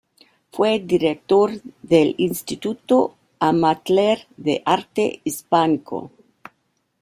Fue director del Instituto Amatller de Arte Hispánico.